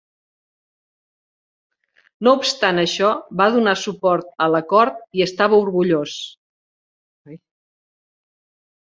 No obstant això, va donar suport a l'acord i estava orgullós.